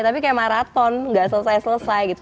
tapi kayak marathon gak selesai selesai gitu